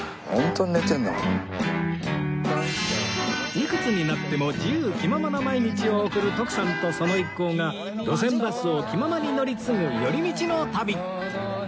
いくつになっても自由気ままな毎日を送る徳さんとその一行が路線バスを気ままに乗り継ぐ寄り道の旅